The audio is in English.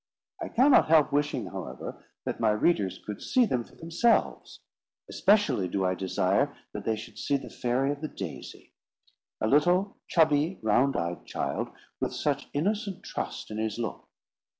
I cannot help wishing, however, that my readers could see them for themselves. Especially do I desire that they should see the fairy of the daisy; a little, chubby, round eyed child, with such innocent trust in his look!